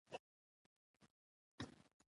مصدر د زمان نخښه نه لري.